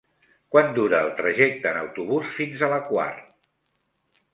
Quant dura el trajecte en autobús fins a la Quar?